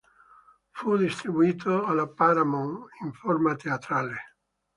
Fu distribuito dalla Paramount in forma teatrale.